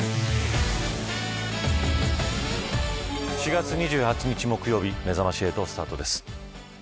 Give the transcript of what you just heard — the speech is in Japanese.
４月２８日木曜日めざまし８スタートです。